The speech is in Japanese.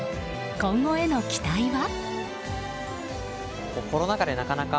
今後への期待は。